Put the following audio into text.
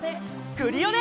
クリオネ！